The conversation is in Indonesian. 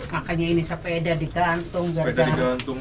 makanya ini sepeda di gantung